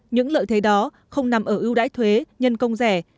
những lợi thế đó không nằm ở ưu đãi thuế nhân công rẻ